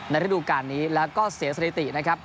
ฤดูการนี้แล้วก็เสียสถิตินะครับ